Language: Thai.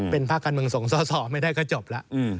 เป็นภาคการเมืองส่งสอสอไม่ได้ก็จบแล้ว